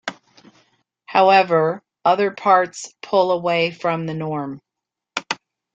However, other parts pull away from the norm.